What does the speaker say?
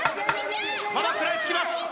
まだ食らいつきます